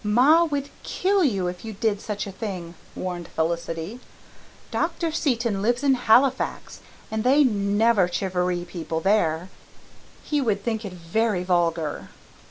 "Ma would kill you if you did such a thing," warned Felicity. "Dr. Seton lives in Halifax and they NEVER chivaree people there. He would think it very vulgar."